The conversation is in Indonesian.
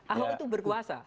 ahok itu berkuasa